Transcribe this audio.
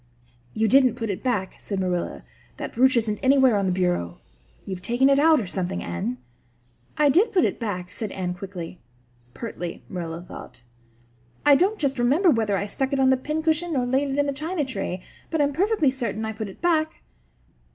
"You didn't put it back," said Marilla. "That brooch isn't anywhere on the bureau. You've taken it out or something, Anne." "I did put it back," said Anne quickly pertly, Marilla thought. "I don't just remember whether I stuck it on the pincushion or laid it in the china tray. But I'm perfectly certain I put it back."